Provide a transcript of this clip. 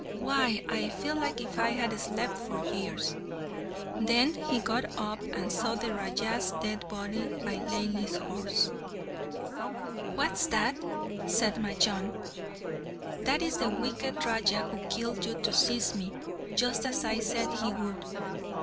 Why, I feel as if I had slept for years!" Then he got up and saw the Raja's dead body by Laili's horse. "What's that?" said Majnun. "That is the wicked Raja who killed you to seize me, just as I said he would."